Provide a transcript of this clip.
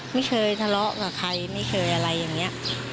ไม่เคยทะเลาะกับใครไม่เคยอะไรอย่างนี้